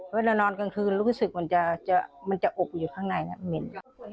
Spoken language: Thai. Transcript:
เวลานอนกลางคืนรู้สึกมันจะอกอยู่ข้างในนะเหม็น